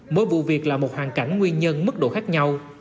mỗi vụ việc là một hoàn cảnh nguyên nhân mức độ khác nhau